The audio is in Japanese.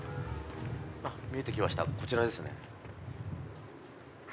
あっ見えてきました。